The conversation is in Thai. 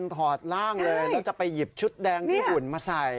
ถอดร่างเลยแล้วจะไปหยิบชุดแดงญี่ปุ่นมาใส่